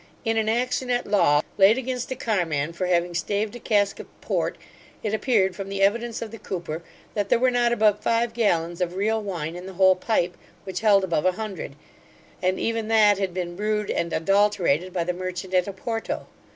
In an action at law, laid against a carman for having staved a cask of port, it appeared from the evidence of the cooper, that there were not above five gallons of real wine in the whole pipe, which held above a hundred, and even that had been brewed and adulterated by the merchant at Oporto.